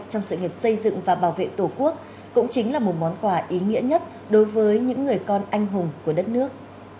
trong sự nghiệp xây dựng và bảo vệ tổ quốc cũng chính là một món quà ý nghĩa nhất đối với những người con anh hùng của đất nước